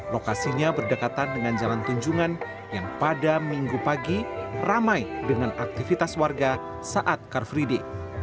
lokasinya berdekatan dengan jalan tunjungan yang pada minggu pagi ramai dengan aktivitas warga saat car free day